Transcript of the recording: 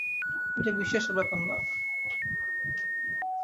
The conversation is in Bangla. এটা বিশ্বাসের ব্যাপার না।